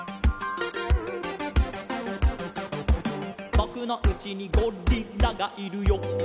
「ぼくのうちにゴリラがいるよ」